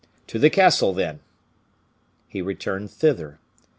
To the castle, then!" He returned thither.